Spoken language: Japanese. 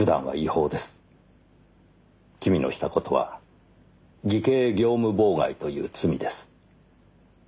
君のした事は偽計業務妨害という罪です。